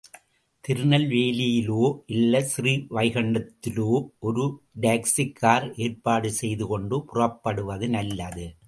திருநெல்வேலியிலோ இல்லை ஸ்ரீவைகுண்டத்திலோ ஒரு taxi car ஏற்பாடு செய்து கொண்டு புறப்படுவது நல்லது.